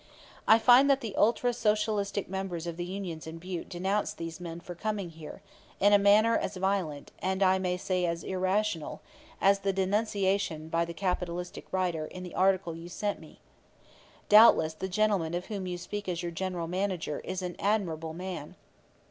I find that the ultra Socialistic members of the unions in Butte denounced these men for coming here, in a manner as violent and I may say as irrational as the denunciation [by the capitalistic writer] in the article you sent me. Doubtless the gentleman of whom you speak as your general manager is an admirable man.